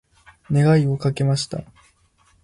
願いをかけました。